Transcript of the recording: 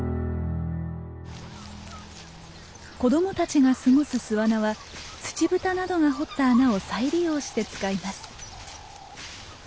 子供たちが過ごす巣穴はツチブタなどが掘った穴を再利用して使います。